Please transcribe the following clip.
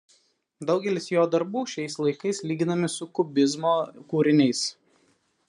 Daugelis jo darbų šiais laikais lyginami su kubizmo kūriniais.